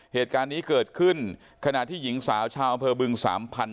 เหตุการณ์นี้เกิดขึ้นขณะที่หญิงสาวชาวอำเภอบึงสามพันธ